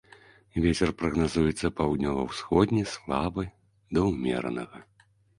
Вецер прагназуецца паўднёва-ўсходні слабы да ўмеранага.